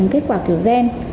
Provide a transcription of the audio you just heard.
kết quả kiểu gen